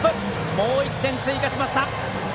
もう一点、追加しました。